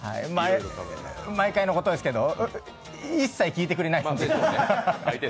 毎回のことですけど、一切聞いてくれないです。